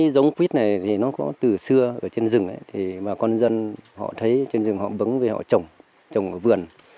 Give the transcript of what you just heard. giống quýt này có từ xưa ở trên rừng bà con dân thấy trên rừng bấm với họ trồng trồng ở vườn